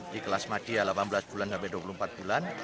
di kelas madia delapan belas bulan sampai dua puluh empat bulan